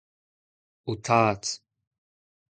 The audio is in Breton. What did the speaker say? ho tad.